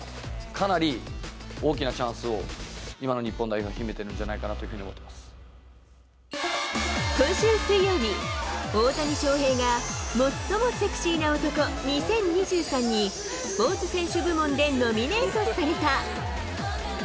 かなり大きなチャンスを今の日本代表秘めてるんじゃないかなとい今週水曜日、大谷翔平が最もセクシーな男２０２３に、スポーツ選手部門でノミネートされた。